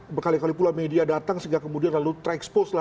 berkali kali pula media datang sehingga kemudian lalu terekspos lah